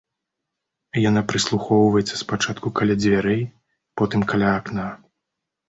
Яна прыслухоўваецца спачатку каля дзвярэй, потым каля акна.